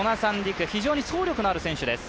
非常に走力のある選手です。